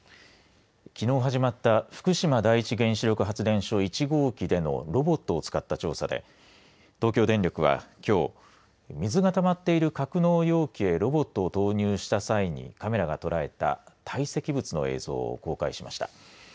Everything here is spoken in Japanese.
きのう始まった福島第一原子力発電所１号機でのロボットを使った調査で東京電力は、きょう水がたまっている格納容器へロボットを投入した際にカメラが捉えた堆積物の映像を公開しました。